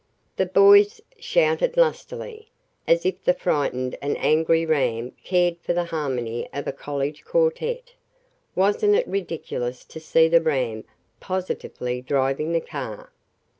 The boys shouted lustily. As if the frightened and angry ram cared for the harmony of a college quartet. Wasn't it ridiculous to see the ram positively driving the car?